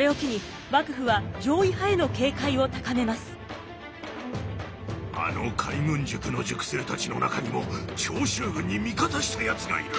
これを機にあの海軍塾の塾生たちの中にも長州軍に味方したやつがいる。